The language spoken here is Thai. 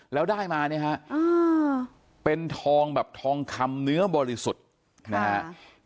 แล้วได้มาเนี่ยฮะเป็นทองแบบทองคำเนื้อบริสุทธิ์นะครับ